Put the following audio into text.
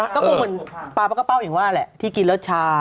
ก็ปลูงเหมือนปลาเบิกกระเป๋าหรี่หวานแหล่ะที่กินรสชา